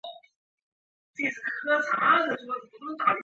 礼部尚书孙慎行声讨方从哲与李可灼。